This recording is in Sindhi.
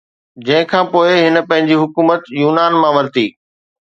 جنهن کان پوءِ هن پنهنجي حڪومت يونان مان ورتي